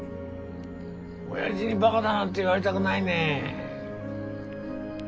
親父にバカだなんて言われたくないね。